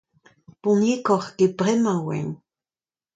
Boniekoc'h eget bremañ e oan.